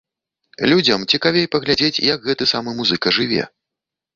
Людзям цікавей паглядзець, як гэты самы музыка жыве.